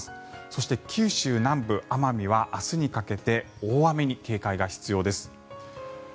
そして、九州南部、奄美は明日にかけて大雨に警戒が必要です。